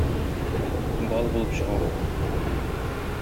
Бал булып чыга бу.